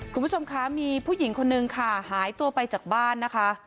คุณผู้ชมคะมีผู้หญิงคนนึงค่ะหายตัวไปจากบ้านนะคะ